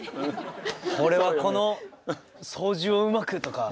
俺はこの操縦をうまく！とか。